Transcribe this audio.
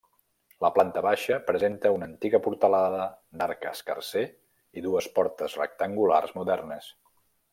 La planta baixa presenta una antiga portalada d'arc escarser i dues portes rectangulars modernes.